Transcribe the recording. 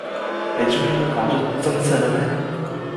你終於都講出真相喇咩